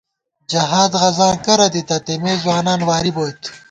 جہاد غزاں کرہ دِتہ، تېمےځوانان واری بوئیت